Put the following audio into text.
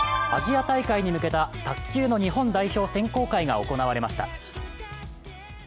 アジア大会に向けた卓球の日本代表選考会が行われました。